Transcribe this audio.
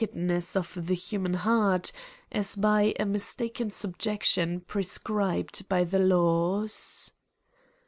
91 edness of the human heart, as by a mistaken sub jection prescribed by the laws.